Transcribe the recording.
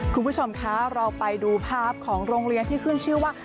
คุณผู้ชมคะเราไปดูภาพของโรงเรียนที่ขึ้นชื่อว่า